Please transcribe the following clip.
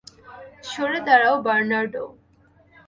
সরে দাঁড়াও, বার্নার্ডো।